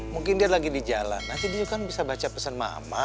mungkin dia lagi di jalan nanti dia kan bisa baca pesan mama